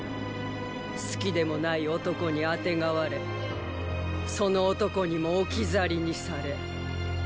好きでもない男にあてがわれその男にも置き去りにされ。